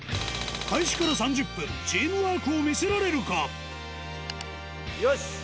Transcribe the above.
開始から３０分チームワークを見せられるか？